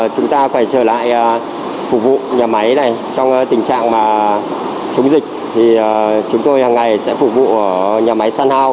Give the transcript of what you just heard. phục vụ nhà máy này trong tình trạng chống dịch thì chúng tôi hằng ngày sẽ phục vụ nhà máy sunhouse